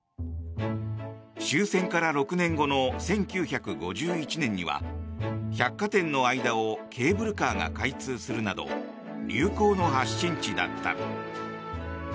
終戦から６年後の１９５１年には百貨店の間をケーブルカーが開通するなど流行の発信地だった。